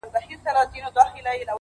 • د هغه په فیصله دي کار سمېږي,